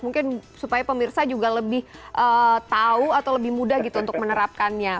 mungkin supaya pemirsa juga lebih tahu atau lebih mudah gitu untuk menerapkannya